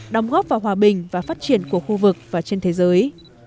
đóng góp vào hòa bình và phát triển của khu vực và trên thế giới